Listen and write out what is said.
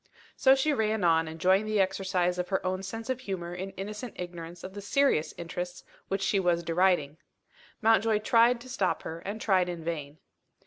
So she ran on, enjoying the exercise of her own sense of humour in innocent ignorance of the serious interests which she was deriding. Mountjoy tried to stop her, and tried in vain.